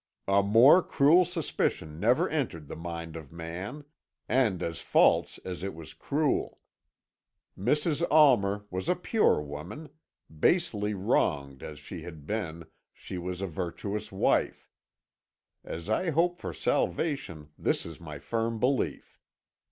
"A more cruel suspicion never entered the mind of man, and as false as it was cruel. Mrs. Almer was a pure woman; basely wronged as she had been, she was a virtuous wife. As I hope for salvation this is my firm belief.